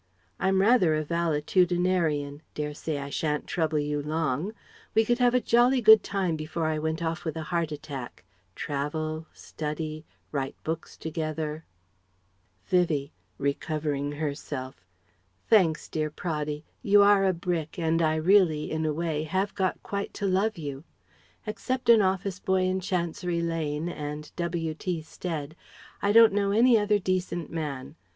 I'm rather a valetudinarian dare say I shan't trouble you long we could have a jolly good time before I went off with a heart attack travel study write books together " Vivie (recovering herself): "Thanks, dear Praddy; you are a brick and I really in a way have quite got to love you. Except an office boy in Chancery Lane and W.T. Stead, I don't know any other decent man.